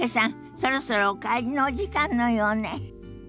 そろそろお帰りのお時間のようね。